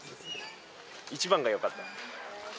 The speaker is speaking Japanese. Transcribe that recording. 一番がよかった？